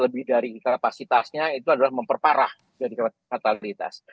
lebih dari kapasitasnya itu adalah memperparah dari fatalitas